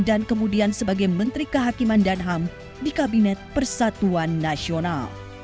dan kemudian sebagai menteri kehakiman dan ham di kabinet persatuan nasional